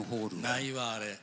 ないわあれ。